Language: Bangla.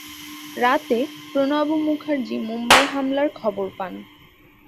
রাতে প্রণব মুখার্জী মুম্বাই হামলার খবর পান।